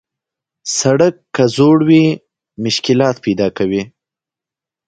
سړک که زوړ وي، مشکلات پیدا کوي.